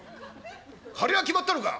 「張りは決まったのか？」。